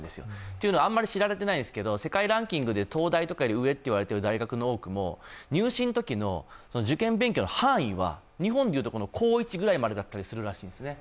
というのは、あんまり知られてないですけど世界ランキングで東大とか上と言われている大学の多くも入試のときの受験勉強の範囲は日本でいうと高１ぐらいまでだったりするそうですね。